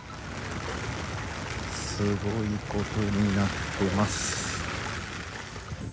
すごいことになってます。